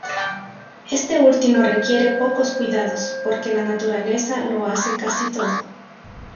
Este último requiere pocos cuidados, porque la naturaleza lo hace casi todo.